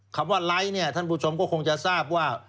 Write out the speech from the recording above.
คำว่าไลค์เนี่ยท่านผู้ชมก็คงจะทราบว่า